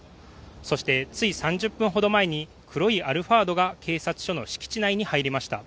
そして、つい３０分ほど前に黒いアルファードが警察署の敷地内に入りました。